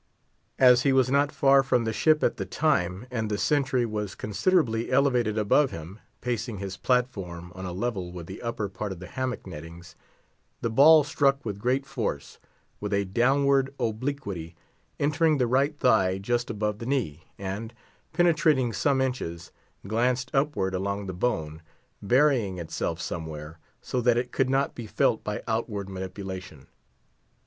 As he was not far from the ship at the time, and the sentry was considerably elevated above him—pacing his platform, on a level with the upper part of the hammock nettings—the ball struck with great force, with a downward obliquity, entering the right thigh just above the knee, and, penetrating some inches, glanced upward along the bone, burying itself somewhere, so that it could not be felt by outward manipulation.